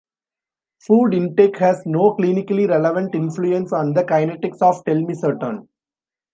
Food intake has no clinically relevant influence on the kinetics of telmisartan.